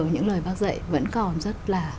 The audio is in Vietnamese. những lời bác dạy vẫn còn rất là